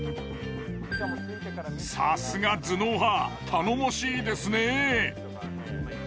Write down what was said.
さすが頭脳派頼もしいですねぇ。